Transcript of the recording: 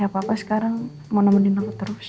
gak apa apa sekarang mau nemenin aku terus